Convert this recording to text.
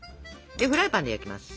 でフライパンで焼きます。